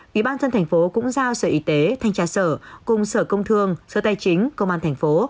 ủy ban nhân dân tp hcm cũng giao sở y tế thanh tra sở cùng sở công thương sở tài chính công an thành phố